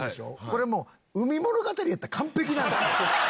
これはもう『海物語』やったら完璧なんですよ。